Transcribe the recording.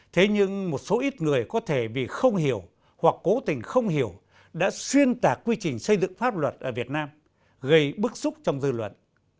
thế nhưng một số ít người có thể vì không hiểu hoặc cố tình không hiểu đã xuyên tạc quy trình xây dựng pháp luật ở việt nam gây bức xúc trong dư luận